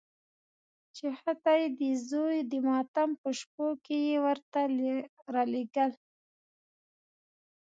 چې حتی د زوی د ماتم په شپو کې یې ورته رالېږل.